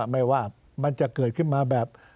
ไม่ว่ามันจะเกิดขึ้นมาแบบ